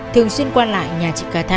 thường xuyên qua lại nhà chị cà tha